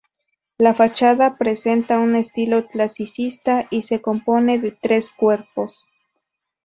La fachada presenta un estilo clasicista y se compone de tres cuerpos.